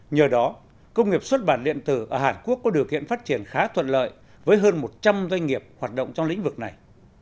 nhờ đó công nghiệp xuất bản điện tử ở hàn quốc có điều kiện phát triển khá thuận lợi với hơn một trăm linh doanh nghiệp hoạt động trong lĩnh vực này